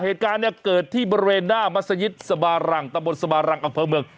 เหตุการณ์เนี่ยเกิดที่บริเวณหน้ามัศยิตสบารังตะบนสบารังอำเภอเมือง